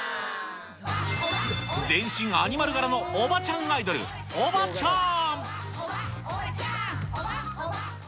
全身アニマル柄のおばちゃんアイドル、オバチャーン。